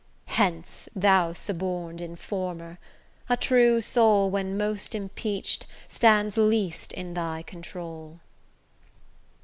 Hence, thou suborned informer! a true soul When most impeach'd, stands least in thy control.